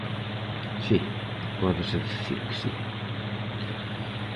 Si, pódese dicir que si.